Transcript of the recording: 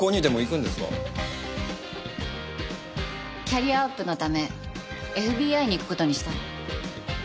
キャリアアップのためＦＢＩに行く事にしたの。